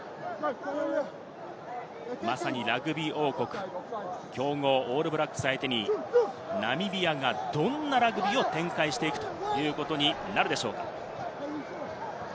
まさにラグビー王国、強豪オールブラックスを相手にナミビアが、どんなラグビーを展開していくということになるでしょうか？